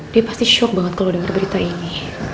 dia pasti syok banget kalau denger berita ini